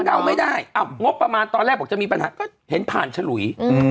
เดาไม่ได้งบประมาณตอนแรกบอกจะมีปัญหาก็เห็นผ่านฉลุย